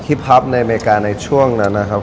พับในอเมริกาในช่วงนั้นนะครับ